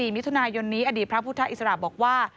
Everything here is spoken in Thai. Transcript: มิถุนายนนี้อดีตพระพุทธอิสระบอกว่า